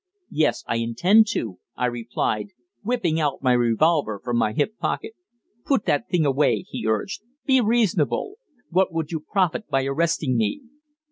"Yes, I intend to," I replied, whipping out my revolver from my hip pocket. "Put that thing away," he urged. "Be reasonable. What would you profit by arresting me?"